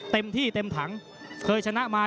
เต็มที่เต็มถังเคยชนะมา